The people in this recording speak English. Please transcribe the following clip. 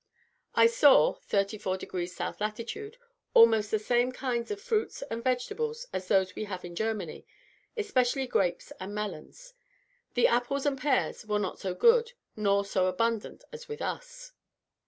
I saw (34 degrees South latitude) almost the same kinds of fruits and vegetables as those we have in Germany, especially grapes and melons. The apples and pears were not so good nor so abundant as with us.